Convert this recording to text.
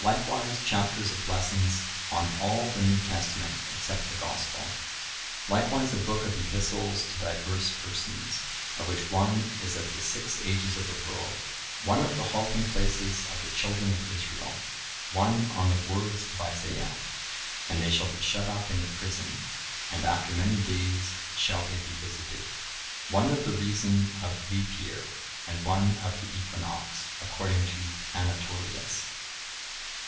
Likewise, Chapters of Lessons on all the New Testament, except the Gospel. Likewise a book of Epistles to divers Persons, of which one is of the Six Ages of the world; one of the Halting places of the Children of Israel; one on the words of Isaiah, "And they shall be shut up in the prison, and after many days shall they be visited";(1050) one of the Reason of Leap Year, and one of the Equinox, according to Anatolius.